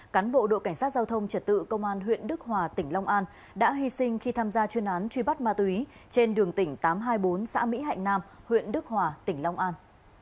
cán bộ đội cảnh sát giao thông trật tự công an huyện đức hòa tỉnh long an đã hy sinh khi tham gia chuyên án truy bắt ma túy trên đường tỉnh tám trăm hai mươi bốn xã mỹ hạnh nam huyện đức hòa tỉnh long an